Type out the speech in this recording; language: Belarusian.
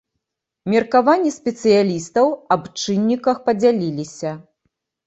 Меркаванні спецыялістаў аб чынніках падзяліліся.